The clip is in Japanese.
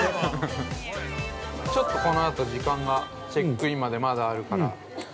◆ちょっと、このあと時間がチェックインまで、まだあるから。